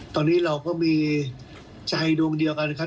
ตอนนี้เราก็มีใจดวงเดียวกันนะครับ